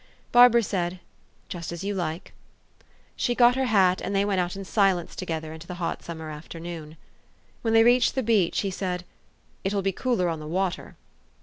Barbara said, " Just as you like." She got her hat, and they went out in silence together into the hot summer afternoon. When they reached the beach, he said, " It will be cooler on the water."